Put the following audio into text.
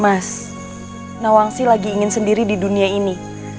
mas nawang sih lagi ingin sendiri di dunia ini